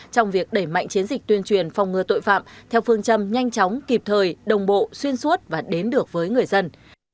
trong việc đẩy mạnh chiến dịch tuyên truyền phòng ngừa tội phạm theo phương châm nhanh chóng kịp thời đồng bộ xuyên suốt và đến được với người dân